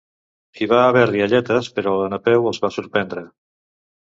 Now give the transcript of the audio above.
Hi va haver rialletes, però la Napeu els va sorprendre.